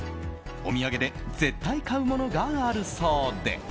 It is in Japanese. お土産で絶対買うものがあるそうで。